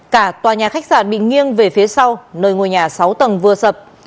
cả tòa nhà khách sạn bị nghiêng về phía sau nơi ngôi nhà sáu tầng vừa sập